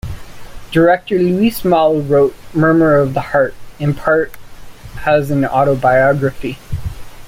Director Louis Malle wrote "Murmur of the Heart" in part as an autobiography.